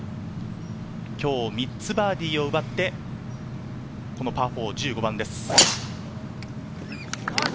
今日３つバーディーを奪って、パー４、１５番です。